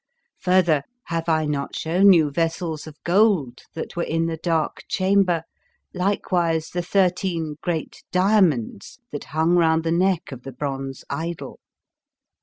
Further, have I not shewn you vessels of gold that 3 Introduction were in the Dark Chamber, likewise the thirteen great diamonds that hung round the neck of the bronze idol?